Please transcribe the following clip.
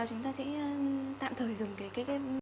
chúng ta sẽ tạm thời dừng cái